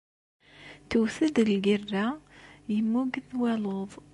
Tewwet-d lgerra, yemmug-d waluḍ.